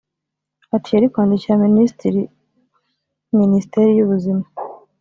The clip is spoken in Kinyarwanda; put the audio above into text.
Ati "Yari kwandikira Minisitiri Minisiteri y’ubuzima